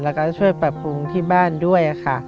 แล้วก็ช่วยปรับปรุงที่บ้านด้วยค่ะ